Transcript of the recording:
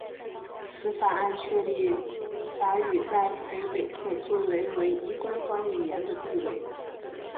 此法案确立法语在魁北克作为唯一官方语言的地位。